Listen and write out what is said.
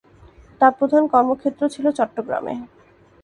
তার প্রধান কর্মক্ষেত্র ছিল চট্টগ্রামে।